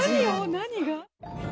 何が？